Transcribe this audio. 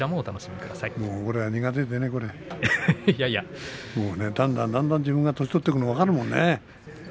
だんだんだんだん自分が年を取っていくのが分かるもんね。